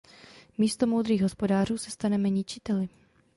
Místo moudrých hospodářů se staneme ničiteli.